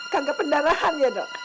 kagak pendarahan ya dok